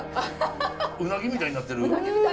うなぎみたいになってる。